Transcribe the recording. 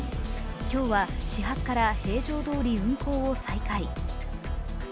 今日は始発から平常通り運行を再開。